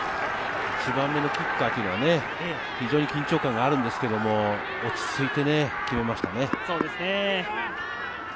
１番目のキッカーというのは非常に緊張感があるんですけれど、落ち着いて決めましたね。